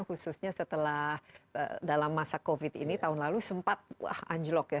khususnya setelah dalam masa covid ini tahun lalu sempat anjlok ya